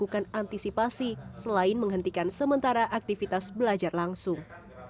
melakukan antisipasi selain menghentikan sementara aktivitas belajar langsung